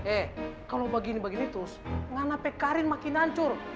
eh kalo begini begini terus ngana pekarin makin nancur